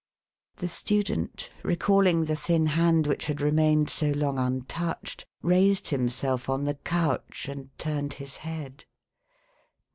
The student, recalling the thin hand which had remained so long untouched, raised himself on the couch, and turned his head.